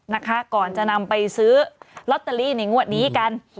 นะคะก่อนจะนำไปซื้อลอตเตอรี่ในงวดนี้กัน